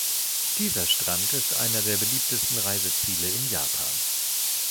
Dieser Strand ist einer der beliebtesten Reiseziele in Japan.